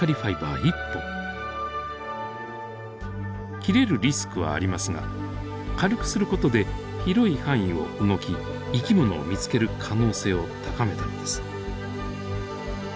切れるリスクはありますが軽くする事で広い範囲を動き生き物を見つける可能性を高めたのです。